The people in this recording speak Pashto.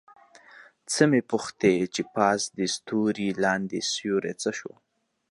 څه مې پوښتې چې پاس دې ستوری لاندې سیوری څه شو؟